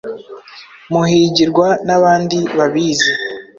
Muhigirwa n'abandi babizi